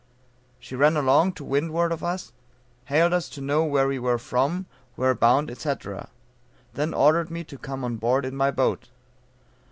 She ran along to windward of us, hailed us to know where we were from, where bound, &c. then ordered me to come on board in my boat.